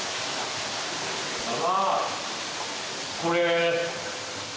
これ。